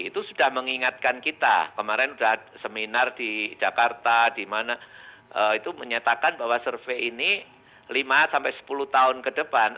itu sudah mengingatkan kita kemarin sudah seminar di jakarta di mana itu menyatakan bahwa survei ini lima sampai sepuluh tahun ke depan